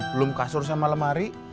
belum kasur sama lemari